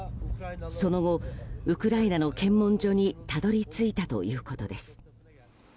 その後、ウクライナの検問所にたどり着いたということです。